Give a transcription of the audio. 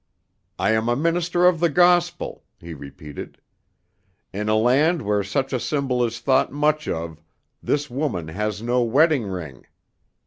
"I am a minister of the gospel," he repeated. "In a land where such a symbol is thought much of, this woman has no wedding ring.